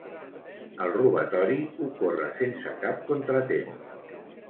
El robatori ocorre sense cap contratemps.